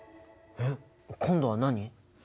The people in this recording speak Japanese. えっ今度は何？